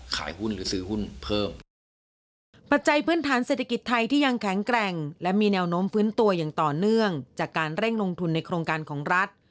ภัยกิจไทยที่ยังแข็งแกร่งและมีแนวโน้มฟื้นตัวอย่างต่อเนื่องจากการเร่งลงทุนในโครงการของรัฐ